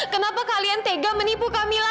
kenapa kalian tega menipu kak mila